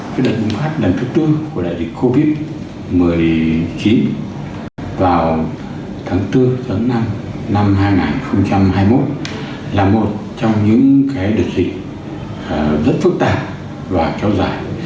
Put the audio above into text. cái đợt dịch phát đợt dịch thứ bốn của đại dịch covid một mươi chín vào tháng bốn tháng năm năm hai nghìn hai mươi một là một trong những cái đợt dịch rất phức tạp và kéo dài